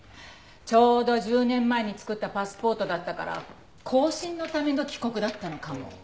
ちょうど１０年前に作ったパスポートだったから更新のための帰国だったのかも。